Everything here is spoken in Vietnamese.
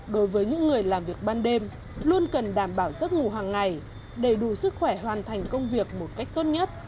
đối với những người làm việc ban đêm luôn cần đảm bảo giấc ngủ hàng ngày để đủ sức khỏe hoàn thành công việc một cách tốt nhất